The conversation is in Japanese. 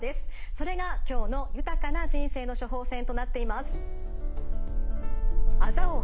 それが今日の「豊かな人生の処方せん」となっています。